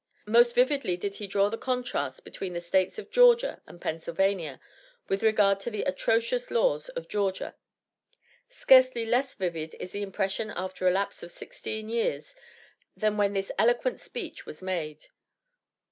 Most vividly did he draw the contrast between the States of "Georgia" and "Pennsylvania," with regard to the atrocious laws of Georgia. Scarcely less vivid is the impression after a lapse of sixteen years, than when this eloquent speech was made.